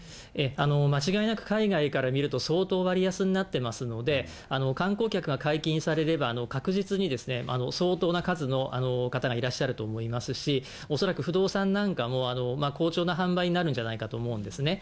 まちがいなく海外から見ると、相当割安になってますので、観光客が解禁されれば、確実に、相当な数の方がいらっしゃると思いますし、恐らく不動産なんかも、好調な販売になるんじゃないかと思うんですね。